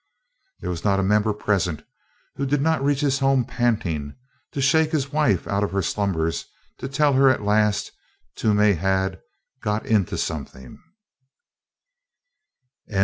There was not a member present who did not reach his home panting, to shake his wife out of her slumbers to tell her that, at last, Toomey had "got into something."